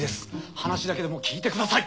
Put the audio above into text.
話だけでも聞いてください！